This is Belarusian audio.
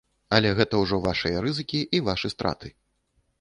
Але гэта ўжо вашыя рызыкі і вашы страты.